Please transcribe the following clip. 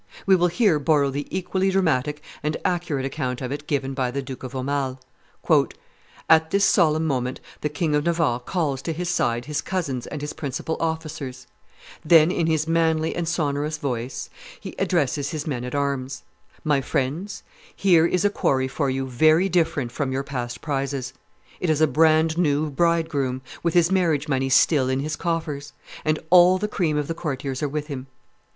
We will here borrow the equally dramatic and accurate account of it given by the Duke of Aumale: "At this solemn moment the King of Navarre calls to his side his cousins and his principal officers; then, in his manly and sonorous voice, he addresses his men at arms: 'My friends, here is a quarry for you very different from your past prizes. It is a brand new bridegroom, with his marriage money still in his coffers; and all the cream of the courtiers are with him.